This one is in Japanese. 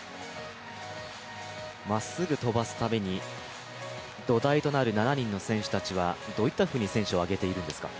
まっすぐ飛ばすために土台となる７人の選手たちはどういったふうに選手を上げているんですか？